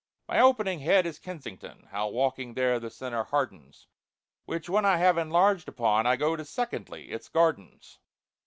"My opening head is 'Kensington,' How walking there the sinner hardens, Which when I have enlarged upon, I go to 'Secondly'—its 'Gardens.